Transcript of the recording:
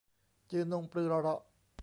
จือนงปรือเราะ